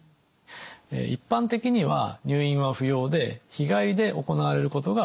一般的には入院は不要で日帰りで行われることが多いです。